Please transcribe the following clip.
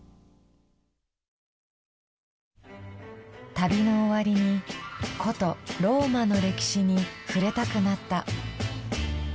旅の終わりに古都ローマの歴史に触れたくなった。